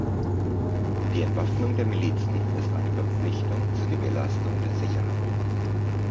Die Entwaffnung der Milizen ist eine Verpflichtung zur Gewährleistung der Sicherheit.